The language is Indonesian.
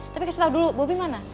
tapi kasih tahu dulu bobby mana